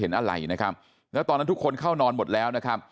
เห็นอะไรนะครับแล้วตอนนั้นทุกคนเข้านอนหมดแล้วนะครับ